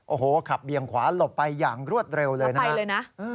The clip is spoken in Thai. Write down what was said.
โอ้โหขับเบียงขวาหลบไปอย่างรวดเร็วเลยนะครับ